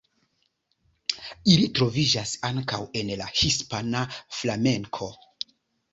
Ili troviĝas ankaŭ en la hispana flamenko.